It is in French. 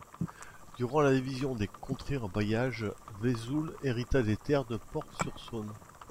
Durant la division des contrées en bailliages, Vesoul hérita des terres de Port-sur-Saône.